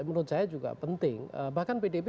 menurut saya juga penting bahkan pdip